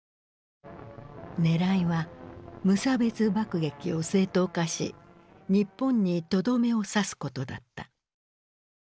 ねらいは無差別爆撃を正当化し日本にとどめを刺すことだった。